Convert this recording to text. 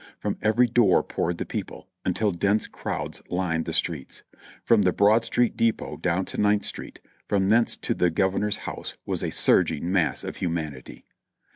From every door poured the people, until dense crowds lined the streets. From the Broad Street depot down to Ninth Street, from thence to the Governor's house was a surging mass of humanity.